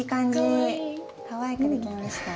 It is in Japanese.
かわいくできました。